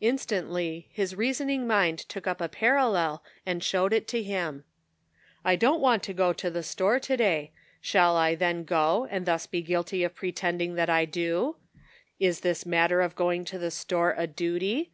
Instantly his reasoning mind took up a parallel and showed it to him : "They Are Not Wise" 179 " I don't want to go to the store to day ; shall I then go, and thus be gnilty of pretending that I do ? Is this matter of going to the store a duty